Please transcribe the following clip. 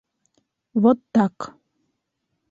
Вот так!